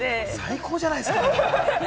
最高じゃないですか。